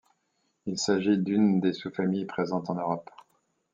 Il s'agit d'une des sous-familles présentes en Europe.